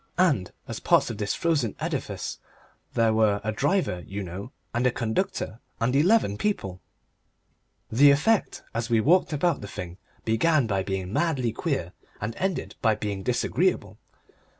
And as parts of this frozen edifice there were a driver, you know, and a conductor, and eleven people! The effect as we walked about the thing began by being madly queer, and ended by being disagreeable.